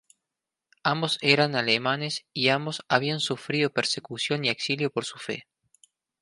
Ambos eran alemanes y ambos habían sufrido persecución y exilio por su fe.